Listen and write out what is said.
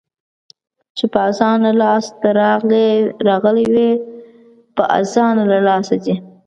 چې په اسانه لاس ته راغلي وي، په اسانه له لاسه ځي.